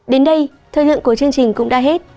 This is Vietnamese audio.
đến đây thời lượng của chương trình cũng đã hết